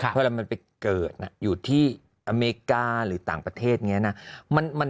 เพราะว่ามันไปเกิดอยู่ที่อเมริกาหรือต่างประเทศเนี่ยนะ